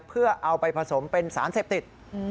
เพื่อเอาไปผสมเป็นสารเสพติด